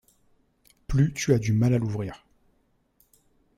Plus tu as du mal à l'ouvrir.